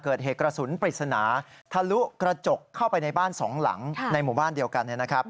เกิดเหตุกระสุนปริศนาทะลุกระจกเข้าไปในบ้านสองหลังในหมู่บ้านเดียวกัน